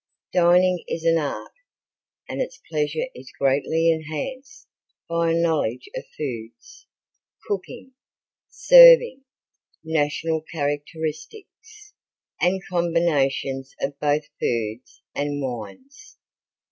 Dining is an art, and its pleasure is greatly enhanced by a knowledge of foods, cooking, serving, national characteristics, and combinations of both foods and wines.